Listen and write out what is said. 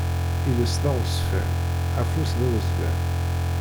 Iles d aɣezfan, afus d awezlan.